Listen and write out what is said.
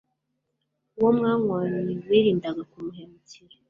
Uwo mwanywanye wirindaga kumuhemukira